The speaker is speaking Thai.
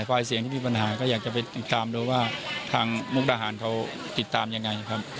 ฝ่ายเสียงที่มีปัญหาก็อยากจะไปติดตามดูว่าทางมุกดาหารเขาติดตามยังไงครับ